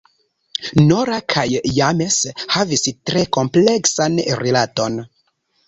Nora kaj James havis tre kompleksan rilaton.